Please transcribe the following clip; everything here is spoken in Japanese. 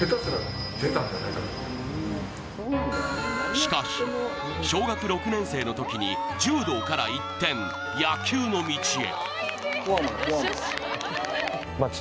しかし小学６年生のときに柔道から一転、野球の道へ。